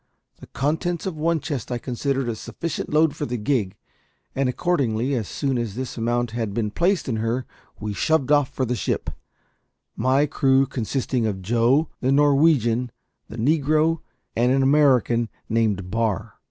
The contents of one chest I considered a sufficient load for the gig, and accordingly, as soon as this amount had been placed in her, we shoved off for the ship; my crew consisting of Joe, the Norwegian, the negro, and an American named Barr.